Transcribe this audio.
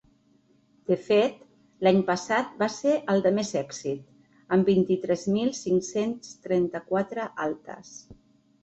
De fet, l’any passat va ser el de més èxit, amb vint-i-tres mil cinc-cents trenta-quatre altes.